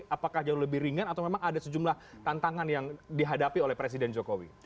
apakah jauh lebih ringan atau memang ada sejumlah tantangan yang dihadapi oleh presiden jokowi